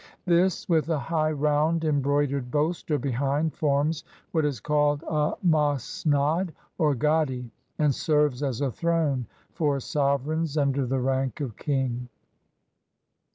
This, with a high round embroidered bolster behind, forms what is called a masnad or gadi, and serves as a throne for sov ereigns under the rank of king.